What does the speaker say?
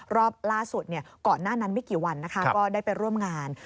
รอบล่าสุดก่อนหน้านั้นไม่กี่วันนะคะก็ได้ไปร่วมงาน